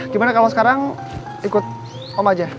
gimana kalau sekarang ikut om aja